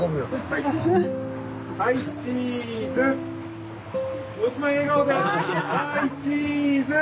はいチーズ！